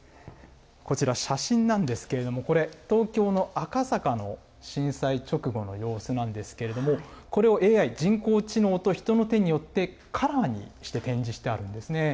こちら、写真なんですけれども、これ、東京の赤坂の震災直後の様子なんですけれども、これをＡＩ・人工知能と人の手によってカラーにして展示してあるんですね。